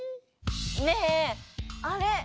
ねぇあれ！